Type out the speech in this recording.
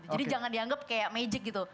jadi jangan dianggap kayak magic gitu